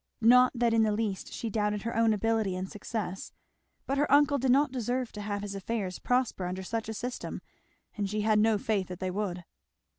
Not that in the least she doubted her own ability and success; but her uncle did not deserve to have his affairs prosper under such a system and she had no faith that they would.